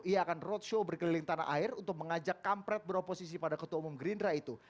ia akan roadshow berkeliling tanah air untuk mengajak kampret beroposisi pada ketua umum gerindra itu